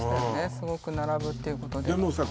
すごく並ぶっていうことでもうさ